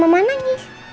oke mah ih